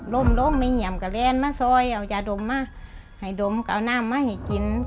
ลมลงไม่เหนียมก็แลนมาซอยเอายาดมมาให้ดมก็เอาน้ำมาให้กิน